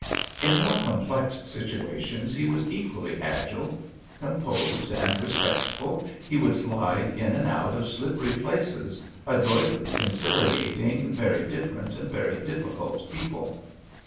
In more complex situations he was equally agile. Composed and respectful, he would snde in and out of slippery places, adroitly conciliating very different and very difficult people.